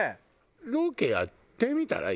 ロケやってみたら？